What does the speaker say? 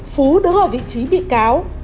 phú đứng ở vị trí bị cáo